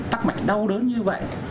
tắc mạnh đau đớn như vậy